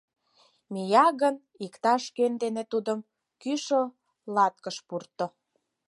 Мия гын, иктаж йӧн дене тудым кӱшыл клатыш пурто.